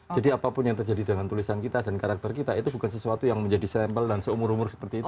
jadi apapun yang terjadi dengan tulisan kita dan karakter kita itu bukan sesuatu yang menjadi sampel dan seumur umur seperti itu